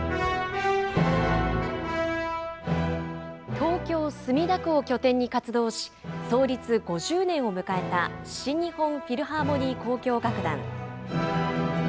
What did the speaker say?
東京・墨田区を拠点に活動し、創立５０年を迎えた新日本フィルハーモニー交響楽団。